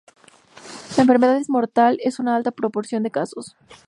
La enfermedad es mortal en una alta proporción de casos.